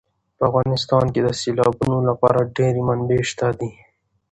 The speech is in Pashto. په افغانستان کې د سیلابونو لپاره ډېرې منابع شته دي.